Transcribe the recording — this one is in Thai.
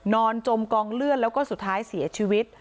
จมกองเลือดแล้วก็สุดท้ายเสียชีวิต